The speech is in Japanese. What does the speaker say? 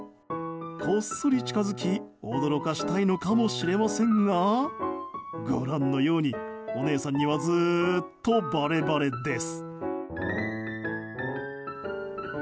こっそり近づき驚かしたいのかもしれませんがご覧のように、お姉さんにはずっとバレバレです。